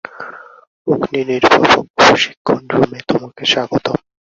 অগ্নি নির্বাপক প্রশিক্ষণ রুমে তোমাকে স্বাগতম।